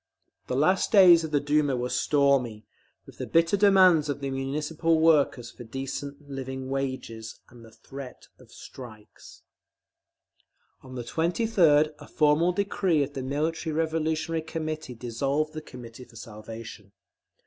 The last days of the Duma were stormy with the bitter demands of the Municipal workers for decent living wages, and the threat of strikes…. On the 23d a formal decree of the Military Revolutionary Committee dissolved the Committee for Salvation.